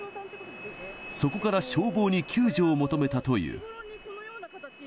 そこから消防に救助を求めたという。